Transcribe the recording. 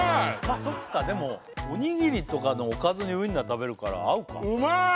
あっそっかでもおにぎりとかのおかずにウインナー食べるから合うかうまーい！